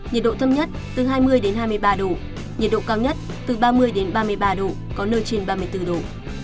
nhiệt độ thâm nhất từ hai mươi đến hai mươi ba độ phía nam có nơi trên ba mươi bốn độ